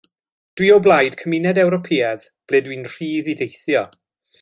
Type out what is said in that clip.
Dw i o blaid Cymuned Ewropeaidd ble dw i'n rhydd i deithio.